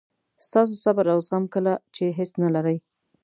ستاسو صبر او زغم کله چې هیڅ نه لرئ.